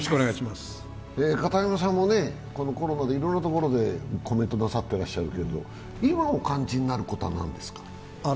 片山さんもコロナでいろいろなところでコメントなさっていらっしゃるけれども、今お感じになることは何ですか？